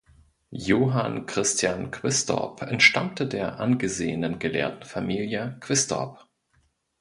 Johann Christian Quistorp entstammte der angesehenen Gelehrtenfamilie Quistorp.